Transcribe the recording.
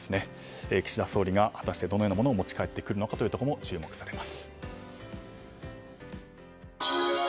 岸田総理が果たしてどのようなものを持ち帰るのかも注目されます。